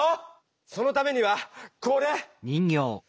そのためにはこれ！